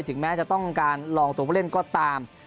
แม้จะต้องการลองตัวผู้เล่นก็ตาม